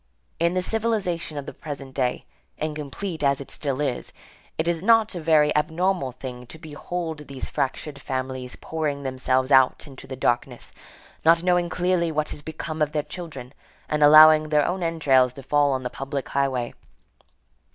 In the civilization of the present day, incomplete as it still is, it is not a very abnormal thing to behold these fractured families pouring themselves out into the darkness, not knowing clearly what has become of their children, and allowing their own entrails to fall on the public highway.